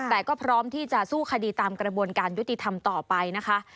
แต่ก็พร้อมที่จะสู้คดีตามกระบวนการยุติธรรมต่อไปนะคะ